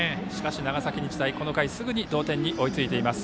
長崎日大、この回すぐに同点に追いついています。